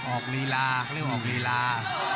ออกรีลาเขาเรียกออกรีลา